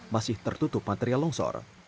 masih tertutup material longsor